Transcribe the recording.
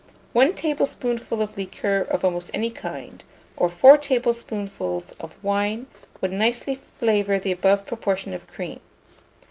1 tablespoonful of liqueur of any kind, or 4 tablespoonfuls of wine, would nicely flavour the above proportion of cream.